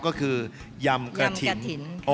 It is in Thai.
ก็คือยำกระถิ่น